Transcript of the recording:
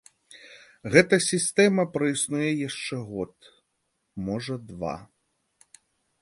Гэта сістэма праіснуе яшчэ год, можа два.